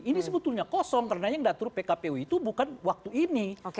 ini sebetulnya kosong karena yang datur pkp u itu bukan waktu ini